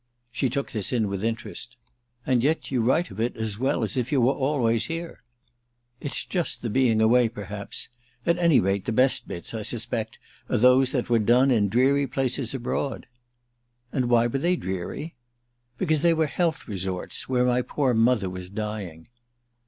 She took this in with interest. "And yet you write of it as well as if you were always here." "It's just the being away perhaps. At any rate the best bits, I suspect, are those that were done in dreary places abroad." "And why were they dreary?" "Because they were health resorts—where my poor mother was dying."